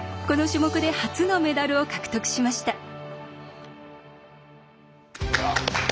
この種目で初のメダルを獲得しました。